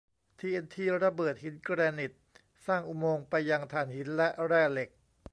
ทีเอ็นทีระเบิดหินแกรนิตสร้างอุโมงค์ไปยังถ่านหินและแร่เหล็ก